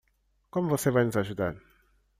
Como você vai nos ajudar?